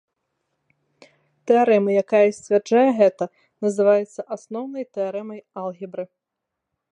Тэарэма, якая сцвярджае гэта, называецца асноўнай тэарэмай алгебры.